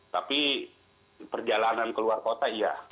tapi perjalanan ke luar kota iya